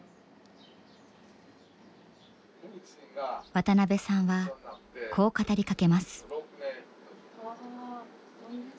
渡邊さんはこう語りかけます。